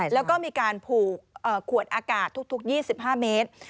แล้วก็มีการผูกขวดอากาศทุก๒๕เมตร